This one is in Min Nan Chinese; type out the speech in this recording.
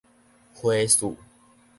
花絮